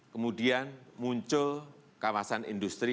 kemudian muncul kawasan industri